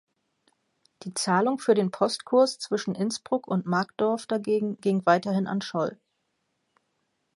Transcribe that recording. Die Zahlung für den Postkurs zwischen Innsbruck und Markdorf dagegen ging weiterhin an Scholl.